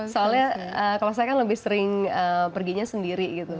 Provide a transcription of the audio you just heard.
soalnya kalau saya kan lebih sering perginya sendiri gitu